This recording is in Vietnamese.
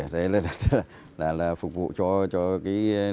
đấy là phục vụ cho các